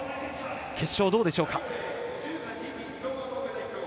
決勝、どうでしょうか。